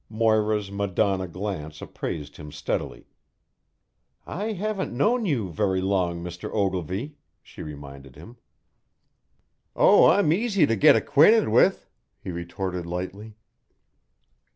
Moira's Madonna glance appraised him steadily. "I haven't known you very long, Mr. Ogilvy," she reminded him. "Oh, I'm easy to get acquainted with," he retorted lightly.